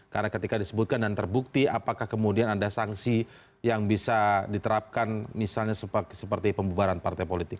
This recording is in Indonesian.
karena ketika disebutkan dan terbukti apakah kemudian ada sanksi yang bisa diterapkan misalnya seperti pembubaran partai politik